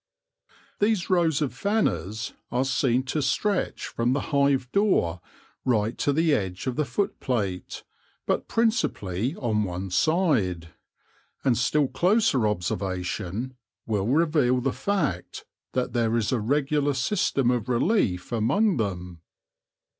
These rows of fanners are seen to stretch from the hive door right to the edge of the footplate, but principally on one side ; and still closer observation will reveal the fact that there is a regular system of relief among them.